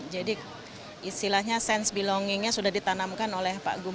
jadi istilahnya sense belongingnya sudah ditanamkan oleh